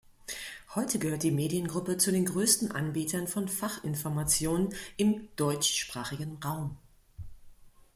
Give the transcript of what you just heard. Heute gehört die Mediengruppe zu den größten Anbietern von Fachinformationen im deutschsprachigen Raum.